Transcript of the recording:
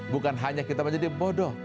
bukan hanya kita menjadi bodoh